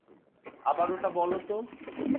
আবার ওটা বলো তো।